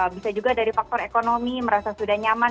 bisa juga dari faktor ekonomi merasa sudah nyaman